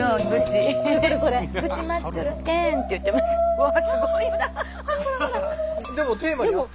うわっすごいな。